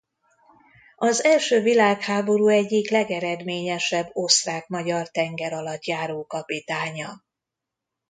Az első világháború egyik legeredményesebb osztrák-magyar tengeralattjáró-kapitánya.